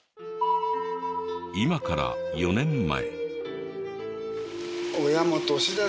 今から４年前。